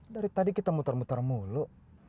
dari tadi kita muter muter mulu